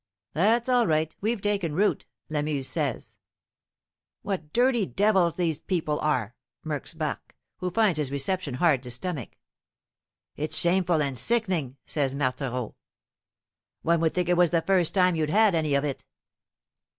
"That's all right we've taken root!" Lamuse says. "What dirty devils these, people are!" murmurs Barque, who finds his reception hard to stomach. "It's shameful and sickening," says Marthereau. "One would think it was the first time you'd had any of it!"